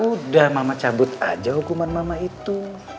udah mama cabut aja hukuman mama itu